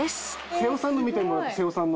瀬尾さんの見てもらって、瀬尾さんの。